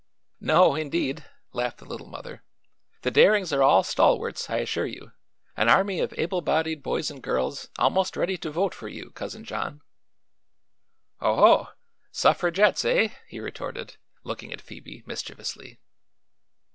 "No, indeed," laughed the Little Mother; "the Darings are all stalwarts, I assure you; an army of able bodied boys and girls almost ready to vote for you, Cousin John." "Oh ho! Suffragettes, eh?" he retorted, looking at Phoebe mischievously.